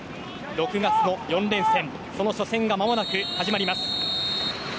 ６月の４連戦その初戦が始まります。